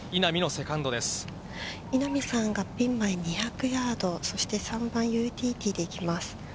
稲見さんがピン前２００ヤード、そして、３番ユーティリティーでいきます。